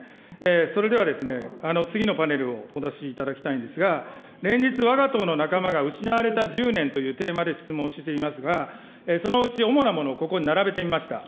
それでは、次のパネルをお出しいただきたいんですが、連日、わが党の仲間が失われた１０年というテーマで質問していますが、そのうち主なもの、ここに並べてみました。